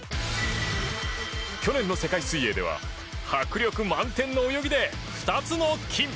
去年の世界水泳では迫力満点の泳ぎで２つの金！